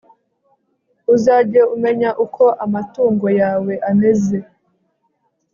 uzajye umenya uko amatungo yawe ameze